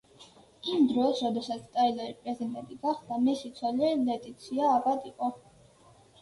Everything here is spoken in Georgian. იმ დროს, როდესაც ტაილერი პრეზიდენტი გახდა, მისი ცოლი, ლეტიცია ავად იყო.